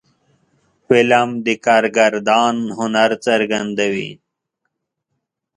فلم د کارگردان هنر څرګندوي